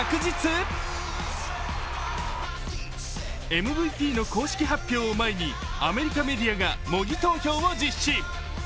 ＭＶＰの公式発表を前にアメリカメディアが模擬投票を実施。